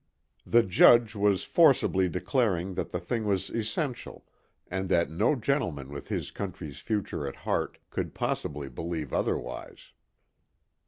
The judge was forcibly declaring that the thing was essential and that no gentleman with his country's future at heart could possibly believe otherwise.